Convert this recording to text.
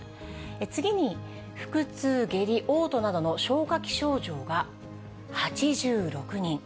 次に腹痛、下痢、おう吐などの消化器症状が８６人。